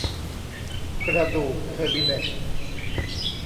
กระดูกเทอร์บิเนต